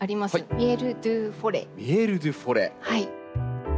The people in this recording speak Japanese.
「ミエル・ドゥ・フォレ」。